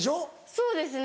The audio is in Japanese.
そうですね